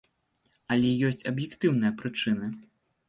Але ёсць аб'ектыўныя прычыны.